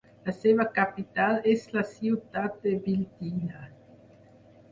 La seva capital és la ciutat de Biltine.